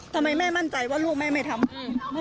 ทำไมแม่มั่นใจว่าลูกแม่ไม่ทำ